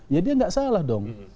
ya dia nggak salah dong